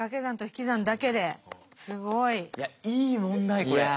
すごい。いやいい問題これ。